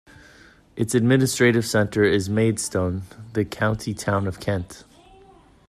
Its administrative centre is Maidstone, the county town of Kent.